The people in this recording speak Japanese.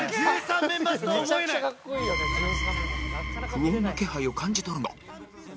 不穏な気配を感じ取るが